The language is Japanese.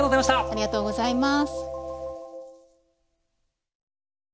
ありがとうございます。